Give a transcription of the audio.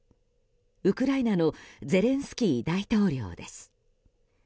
ウクライナのゼレンスキー大統領です。